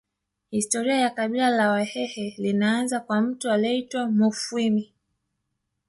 Historia ya kabila la Wahehe linaanzia kwa mtu aliyeitwa Mufwimi